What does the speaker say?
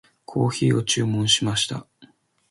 コーヒーを注文しました。